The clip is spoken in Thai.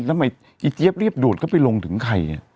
ทำไมอีเจี๊ยบเรียบดูดเข้าไปลงถึงใคร